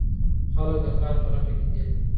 خلګ د کار په لټه کي دي.